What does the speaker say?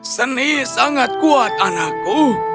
seni sangat kuat anakku